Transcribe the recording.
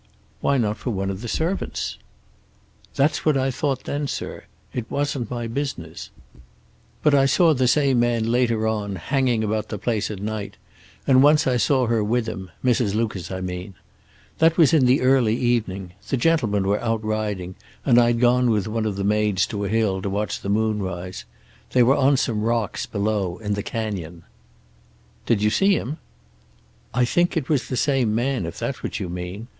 "Why not for one of the servants?" "That's what I thought then, sir. It wasn't my business. But I saw the same man later on, hanging about the place at night, and once I saw her with him Mrs. Lucas, I mean. That was in the early evening. The gentlemen were out riding, and I'd gone with one of the maids to a hill to watch the moon rise. They were on some rocks, below in the canyon." "Did you see him?" "I think it was the same man, if that's what you mean.